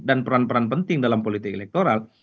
dan peran peran penting dalam politik elektoral